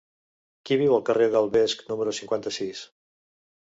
Qui viu al carrer del Vesc número cinquanta-sis?